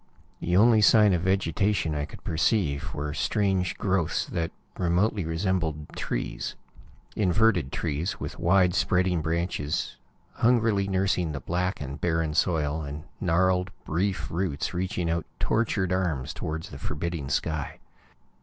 The only sign of vegetation I could perceive were strange growths that remotely resembled trees inverted trees, with wide spreading branches hungrily nursing the black and barren soil, and gnarled, brief roots reaching out tortured arms toward the forbidding sky.